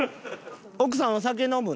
奥さんお酒飲むの？